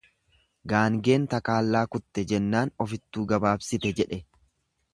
Gaangeen takaallaa kutte jennaann ofittuu gabaabsite jedhe.